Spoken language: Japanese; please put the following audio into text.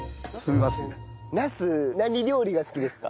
ナス何料理が好きですか？